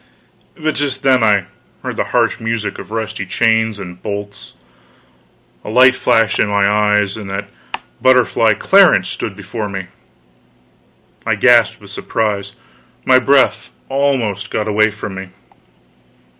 But just then I heard the harsh music of rusty chains and bolts, a light flashed in my eyes, and that butterfly, Clarence, stood before me! I gasped with surprise; my breath almost got away from me.